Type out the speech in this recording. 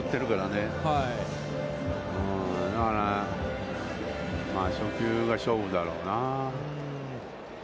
だから、初球が勝負だろうな。